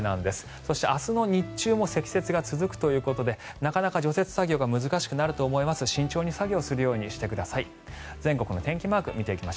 そして、明日の日中も積雪が続くということでなかなか除雪作業が難しくなると思います。